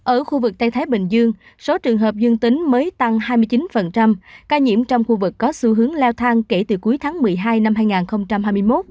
ở khu vực tây thái bình dương số trường hợp dương tính mới tăng hai mươi chín ca nhiễm trong khu vực có xu hướng leo thang kể từ cuối tháng một mươi hai năm hai nghìn hai mươi một